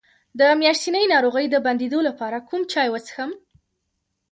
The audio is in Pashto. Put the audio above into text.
د میاشتنۍ ناروغۍ د بندیدو لپاره کوم چای وڅښم؟